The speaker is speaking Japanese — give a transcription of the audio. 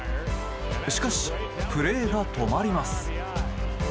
しかし、プレーが止まります。